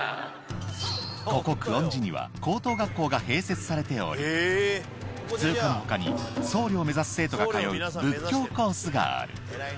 ここ、久遠寺には高等学校が併設されており、普通科のほかに、僧りょを目指す生徒が通う仏教コースがある。